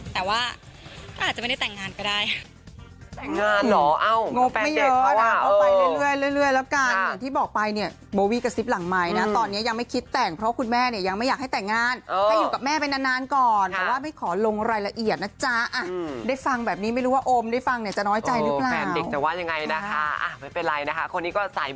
แต่ว่าก็อาจจะไม่ได้แต่งงานก็ได้